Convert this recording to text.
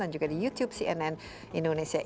dan juga di youtube cnn indonesia insight with desi anwar